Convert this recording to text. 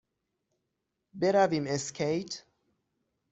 برویم اسکیت؟